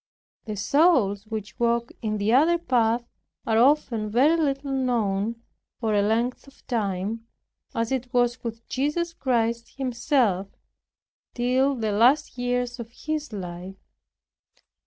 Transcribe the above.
The souls which walk in the other path are often very little known, for a length of time, as it was with Jesus Christ Himself, till the last years of His life.